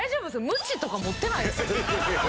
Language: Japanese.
ムチとか持ってないですか？